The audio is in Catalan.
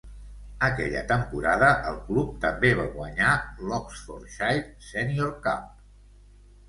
Aquella temporada, el club també va guanyar l'Oxfordshire Senior Cup.